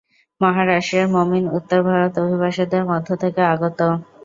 মহারাষ্ট্রের মমিন উত্তর ভারত অভিবাসীদের মধ্য থেকে আগত।